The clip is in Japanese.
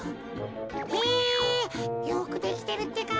へえよくできてるってか。